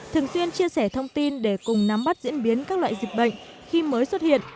thường xuyên chia sẻ thông tin để cùng nắm bắt diễn biến các loại dịch bệnh khi mới xuất hiện